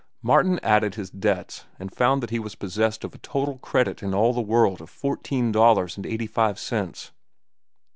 Martin added his debts and found that he was possessed of a total credit in all the world of fourteen dollars and eighty five cents.